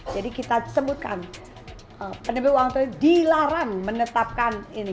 jadi kita sebutkan pendepik uang tersebut dilarang menetapkan ini